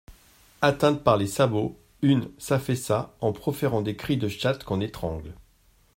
Atteinte par les sabots, une s'affaissa en proférant des cris de chatte qu'on étrangle.